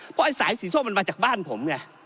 เพราะไอ้สายสีส้มมันมาจากบ้านผมไง